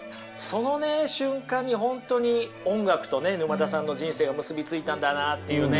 そのね瞬間に本当に音楽とね沼田さんの人生が結びついたんだなというね